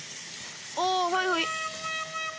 ああはいはい。